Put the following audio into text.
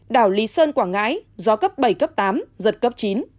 đảo lý sơn quảng ngãi gió cấp bảy cấp tám giật cấp chín